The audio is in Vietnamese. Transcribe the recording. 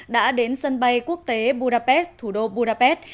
đã đến sân bay quốc tế budapest thủ đô budapest